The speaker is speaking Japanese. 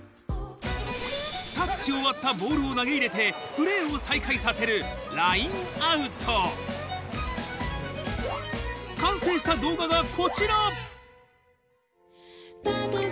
タッチを割ったボールを投げ入れてプレーを再開させる完成した動画がこちら！